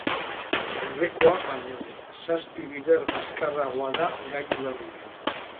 Aurrekoa baino zazpi bider azkarragoa da gailu berria.